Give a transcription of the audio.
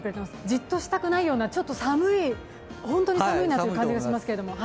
じっとしたくないようなちょっと寒い、本当に寒いなという感じがしますけれども。